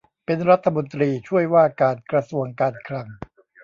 เป็นรัฐมนตรีช่วยว่าการกระทรวงการคลัง